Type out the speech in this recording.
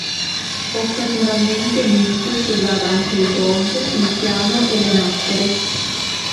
Occasionalmente Minkus usava anche il gong, il piano e le nacchere.